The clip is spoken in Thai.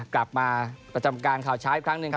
กลับมาประจำการข่าวเช้าอีกครั้งหนึ่งครับ